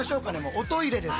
おトイレです。